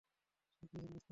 সে কি হিন্দুস্তানী?